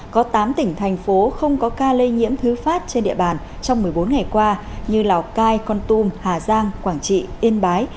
có tám tỉnh thành phố không có ca lây nhiễm thứ phát trên địa bàn trong một mươi bốn ngày qua như lào cai con tum hà giang quảng trị yên bái